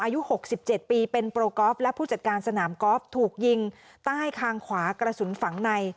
อายุ๖๗ปีเป็นโปรกอล์ฟและผู้จัดการสนามกอล์ฟถูกยิงใต้คางขวากระสุนฝังใน